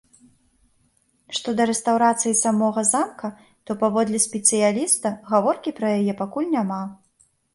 Што да рэстаўрацыі самога замка, то, паводле спецыяліста, гаворкі пра яе пакуль няма.